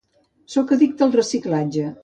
Soc addicte al reciclatge.